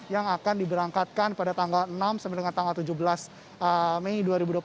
yang akan diberangkatkan pada tanggal enam sampai dengan tanggal tujuh belas mei dua ribu dua puluh tiga